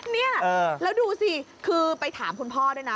เนี่ยแล้วดูสิคือไปถามคุณพ่อด้วยนะ